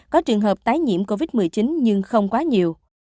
có trường hợp tái nhiễm covid một mươi chín nhưng không quá nhiều